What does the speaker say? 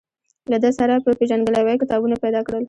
له ده سره په پېژندګلوۍ کتابونه پیدا کړل.